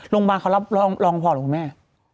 โรงพยาบาลเค้ารับรองผ่อนของแม่